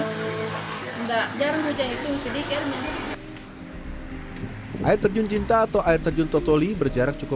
nya enggak jarang hujan itu sedikit air terjun cinta atau air terjun totoli berjarak